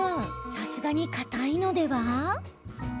さすがに、かたいのでは？